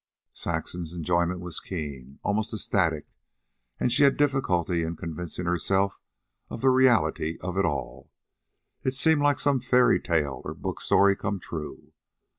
Saxon's enjoyment was keen, almost ecstatic, and she had difficulty in convincing herself of the reality of it all. It seemed like some fairy tale or book story come true.